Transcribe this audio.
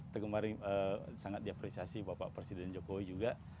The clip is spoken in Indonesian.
tergemarin sangat diapresiasi bapak presiden jokowi juga